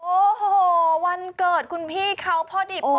วันนี้เป็นวันเกิดด้วยแล้วเมื่อเช้าก็เลยกดเงินให้แม่ไป๒๐๐๐บาท